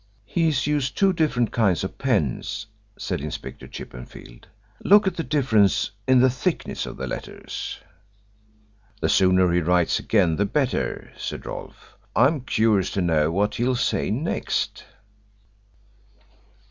'" "He's used two different kinds of pens," said Inspector Chippenfield. "Look at the difference in the thickness of the letters." "The sooner he writes again the better," said Rolfe. "I am curious to know what he'll say next."